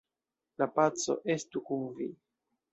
La paco estu kun vi!